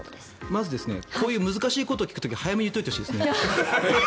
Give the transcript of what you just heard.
まずこういう難しいことを聞く時は早めに言っておいてほしいです。